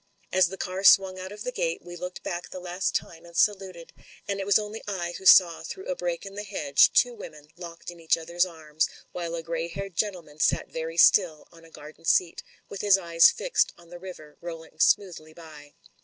As the car swung out of the gate, we looked back the last time and saluted, and it was only I who saw through a break in the hedge two women locked in each other's arms, while a grey haired gentleman sat very still on a garden seat, with his eyes fixed on the river rolling smoothly by.